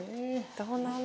どうなの？